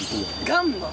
ガンマン！